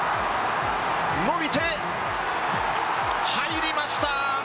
伸びて、入りました。